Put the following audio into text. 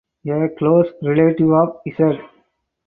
A close relative of "Z".